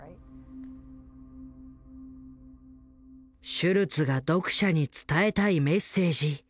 シュルツが読者に伝えたいメッセージ。